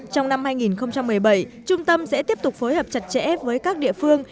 trong năm hai nghìn một mươi bảy trung tâm sẽ tiếp tục phối hợp chặt chẽ với các địa phương